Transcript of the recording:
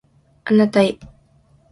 あなたへ